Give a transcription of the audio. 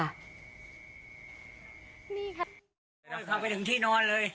มาไปถึงที่นอนเลย